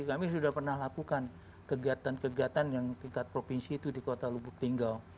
kami sudah pernah lakukan kegiatan kegiatan yang tingkat provinsi itu di kota lubuktinggal